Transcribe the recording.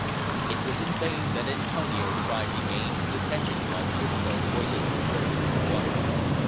It was in vain that Antonio tried to gain his attention while Disco moistened his lips with water.